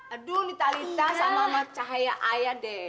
aduh ini talita sama amat cahaya ayah deh